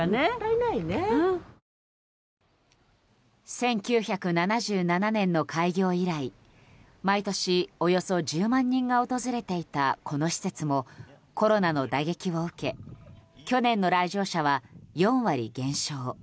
１９７７年の開業以来毎年およそ１０万人が訪れていたこの施設もコロナの打撃を受け去年の来場者は４割減少。